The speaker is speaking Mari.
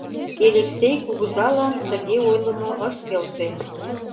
Элексей кугызалан тыге ойлымо ыш келше.